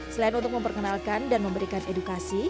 selain untuk memperkenalkan dan memberikan edukasi